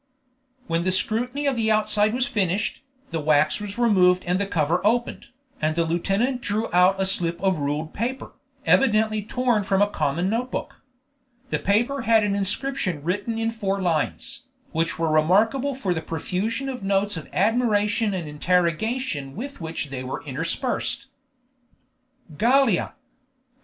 When the scrutiny of the outside was finished, the wax was removed and the cover opened, and the lieutenant drew out a slip of ruled paper, evidently torn from a common note book. The paper had an inscription written in four lines, which were remarkable for the profusion of notes of admiration and interrogation with which they were interspersed: "Gallia???